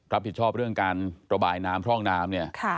รับผิดชอบเรื่องการระบายน้ำพร่องน้ำเนี่ย